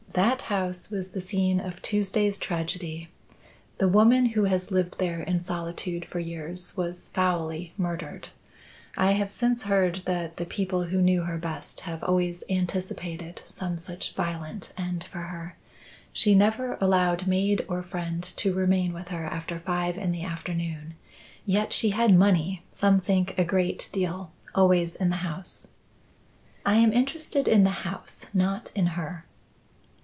That house was the scene of Tuesday's tragedy. The woman who has lived there in solitude for years was foully murdered. I have since heard that the people who knew her best have always anticipated some such violent end for her. She never allowed maid or friend to remain with her after five in the afternoon; yet she had money some think a great deal always in the house." "I am interested in the house, not in her."